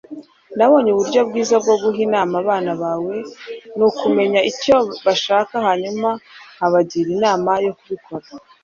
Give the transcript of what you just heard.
nabonye uburyo bwiza bwo guha inama abana bawe ni ukumenya icyo bashaka hanyuma nkabagira inama yo kubikora